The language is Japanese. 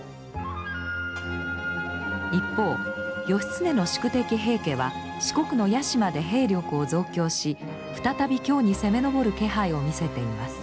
一方義経の宿敵平家は四国の屋島で兵力を増強し再び京に攻め上る気配を見せています。